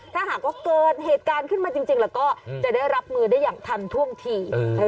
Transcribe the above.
ถ้าหากว่าเกิดเหตุการณ์ขึ้นมาจริงแล้วก็จะได้รับมือได้อย่างทันท่วงที